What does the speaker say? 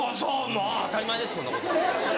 もう当たり前ですそんなこと。